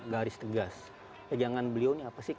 garis tegas pegangan beliau ini apa sih